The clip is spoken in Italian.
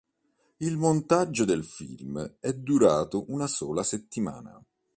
Il montaggio del film é durato una sola settimana.